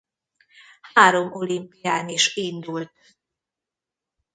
Három olimpián is indult.